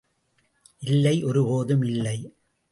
இல்லை, ஒருபோதும் இல்லை!